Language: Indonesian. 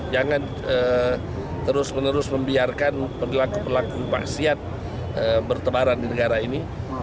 jangan terus menerus membiarkan pelaku pelaku maksiat bertemaran di negara ini